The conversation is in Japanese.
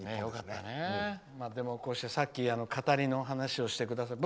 でも、こうしてさっき語りのお話をしてくださって。